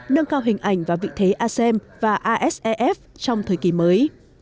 nâng cao hình ảnh và vị thế asem và asef trong thời kỳ mới